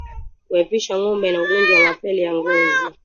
Kuepusha ngombe na ugonjwa wa mapele ya ngozi